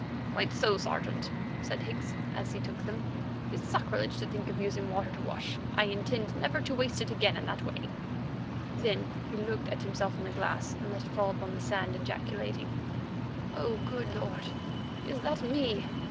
"Quite so, Sergeant," said Higgs, as he took them; "it's sacrilege to think of using water to wash. I intend never to waste it in that way again." Then he looked at himself in the glass, and let it fall upon the sand, ejaculating, "Oh! good Lord, is that me?"